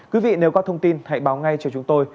quý vị nếu có thông tin hãy báo ngay cho chúng tôi